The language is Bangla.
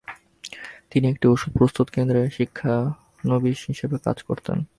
তিনি একটি ঔষধ প্রস্তুতকেন্দ্রে শিক্ষানবিশ হিসেবে কাজ করতেন।